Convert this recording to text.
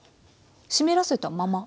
湿らせたまま？